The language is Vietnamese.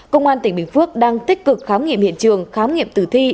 công an tỉnh bình phước đang tích cực khám nghiệm hiện trường khám nghiệm tử thi